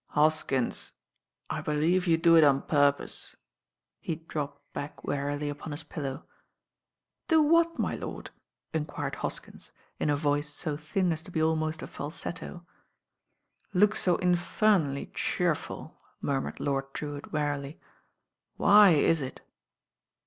"Hoskins, I believe you do it on purpose." He dropped back wearily upon his pillow. "Do what, my lord?" enquired Hoskins in a voice •o thin as to be ahnost a falsetto. 265 t66 THE RAIN GIRL ■t "Look so infernally cheerful," murmured Lord Drewitt wearily. "Why is it